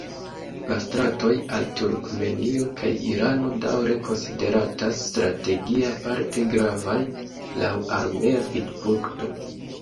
La stratoj al Turkmenio kaj Irano daŭre konsideratas strategie aparte gravaj laŭ armea vidpunkto.